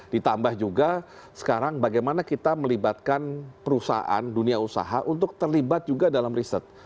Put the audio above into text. ditambah juga sekarang bagaimana kita melibatkan perusahaan dunia usaha untuk terlibat juga dalam riset